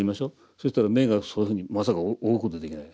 そしたら目がそういうふうにまさか追うことできない。